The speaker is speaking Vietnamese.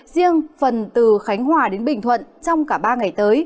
riêng phần từ khánh hòa đến bình thuận trong cả ba ngày tới